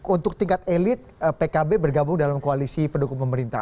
untuk tingkat elit pkb bergabung dalam koalisi pendukung pemerintah